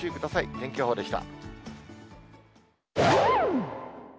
天気予報でした。